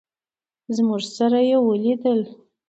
زموږ سره یې ولیدل.